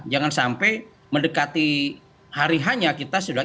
jangan sampai mendekati hari hanya kita sudah